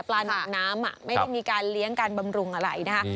หนึ่งน้ำไม่ได้มีการเลี้ยงการบำรุงอะไรนะคะ